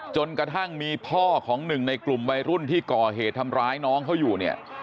จนกระทั่งมีพ่อของหนึ่งในกลุ่มวัยรุ่นที่ก่อเหตุทำร้ายน้องเขาอยู่เนี่ย